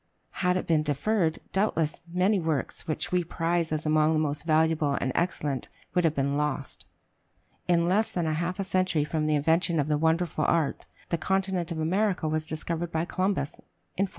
Had it been deferred, doubtless many works which we prize as among the most valuable and excellent would have been lost. In less than a half century from the invention of the wonderful art, the continent of America was discovered by Columbus, in 1492.